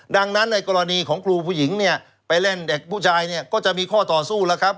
ดังนั้นในกรณีของครูผู้หญิงเนี่ยไปเล่นเด็กผู้ชายเนี่ยก็จะมีข้อต่อสู้แล้วครับ